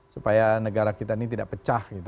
supaya negara kita ini tidak pecah gitu